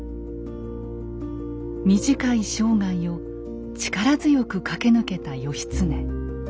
短い生涯を力強く駆け抜けた義経。